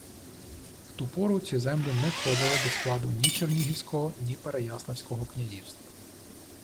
В ту пору ці землі не входили до складу ні Чернігівського, ні Переяславського князівств